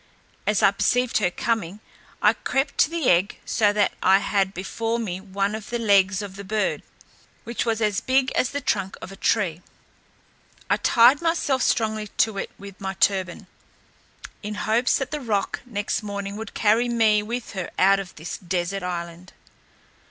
As I perceived her coming, I crept to the egg, so that I had before me one of the legs of the bird, which was as big as the trunk of a tree. I tied myself strongly to it with my turban, in hopes that the roc next morning would carry me with her out of this desert island.